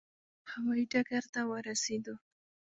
هوا یي ډګر ته ورسېدو.